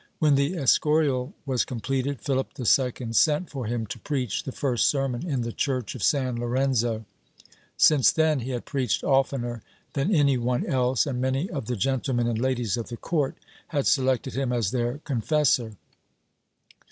When the Escorial was completed, Philip II sent for him to preach the first sermon in the church of San Lorenzo; since then he had preached oftener than any one else and many of the gentlemen and ladies of the court had selected him as their con fessor.